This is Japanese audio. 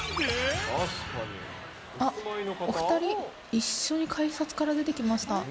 あっ、お２人一緒に改札から出てきました。